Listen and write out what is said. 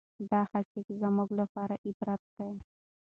دا حقایق زموږ لپاره عبرت دي.